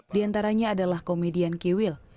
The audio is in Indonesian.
di antaranya adalah komedian kiwil